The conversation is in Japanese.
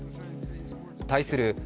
対する